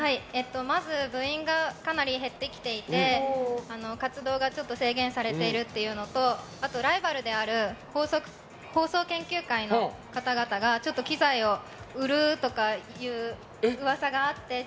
まず、部員がかなり減ってきていて活動がちょっと制限されているというのとライバルである放送研究会の方々が機材を売るとかいう噂があって。